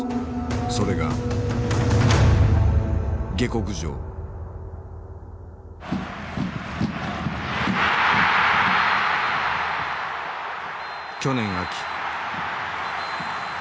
それが去年秋。